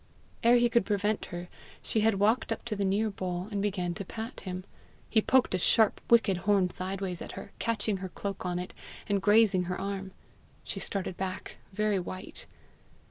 Ere he could prevent her, she had walked up to the near bull, and begun to pat him. He poked a sharp wicked horn sideways at her, catching her cloak on it, and grazing her arm. She started back very white.